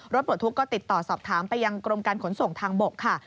ปลดทุกข์ก็ติดต่อสอบถามไปยังกรมการขนส่งทางบกค่ะ